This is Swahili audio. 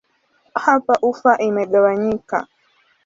Hapa ufa imegawanyika.